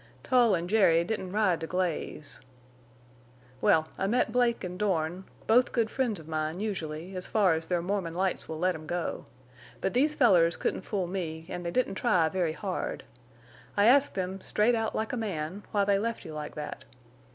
Tull an' Jerry didn't ride to Glaze!... Well, I met Blake en' Dorn, both good friends of mine, usually, as far as their Mormon lights will let 'em go. But these fellers couldn't fool me, an' they didn't try very hard. I asked them, straight out like a man, why they left you like thet.